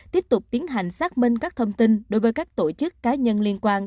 tiếp tục tiến hành xác minh các thông tin đối với các tổ chức cá nhân liên quan